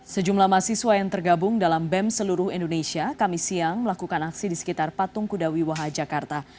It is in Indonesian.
sejumlah mahasiswa yang tergabung dalam bem seluruh indonesia kami siang melakukan aksi di sekitar patung kuda wiwaha jakarta